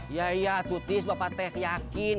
iya iya tuh tis bapak t yakin